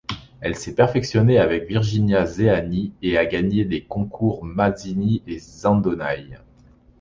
Elle s’est perfectionnée avec Virginia Zeani et a gagné les concours Masini et Zandonai.